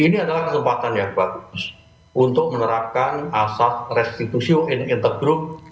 ini adalah kesempatan yang bagus untuk menerapkan asas restitusio in integro